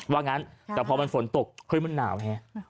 ว่างั้นแต่พอมันฝนตกเฮ้ยมันหนาวไง